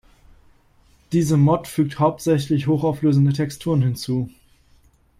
Diese Mod fügt hauptsächlich hochauflösende Texturen hinzu.